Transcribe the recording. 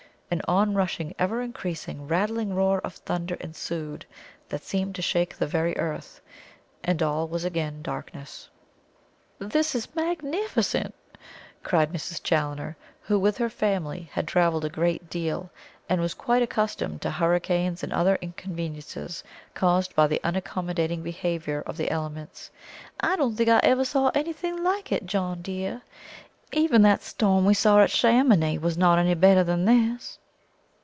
An on rushing, ever increasing, rattling roar of thunder ensued, that seemed to shake the very earth, and all was again darkness. "This is magnificent!" cries Mrs. Challoner, who, with her family, had travelled a great deal, and was quite accustomed to hurricanes and other inconveniences caused by the unaccommodating behaviour of the elements. "I don't think I ever saw anything like it, John dear, even that storm we saw at Chamounix was not any better than this."